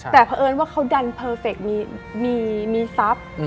แต่เพราะเอิญว่าเขาดันเพอร์เฟคมีทรัพย์